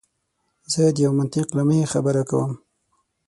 زه د یوه منطق له مخې خبره کوم.